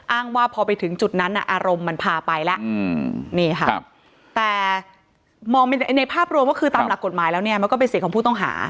ว่าพอไปถึงจุดนั้นอารมณ์มันพาไปแล้วนี่ค่ะแต่มองในภาพรวมว่าคือตามหลักกฎหมายแล้วเนี่ยมันก็เป็นสิทธิ์ของผู้ต้องหา